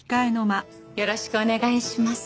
よろしくお願いします。